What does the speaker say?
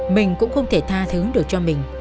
mình cũng không thể tha thứ được cho mình